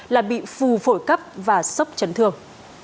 là bị phù phổi cấp và sốc chấn thương